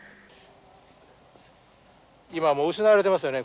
今もう失われてますよね